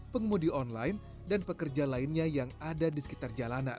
pengemudi online dan pekerja lainnya yang ada di sekitar jalanan